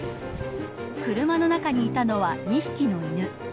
車の中にいたのは２匹の犬。